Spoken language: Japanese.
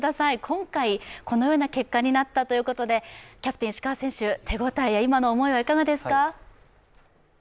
今回、このような結果になったということでキャプテン・石川選手手応えや今の思いはいかがですか？